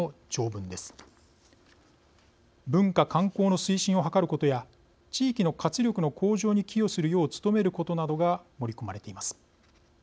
文化観光の推進を図ることや地域の活力の向上に寄与するよう努めることなどが盛り込まれています。